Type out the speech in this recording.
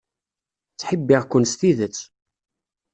Ttḥibbiɣ-ken s tidet.